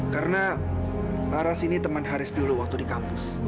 karena laras ini teman haris dulu waktu di kampung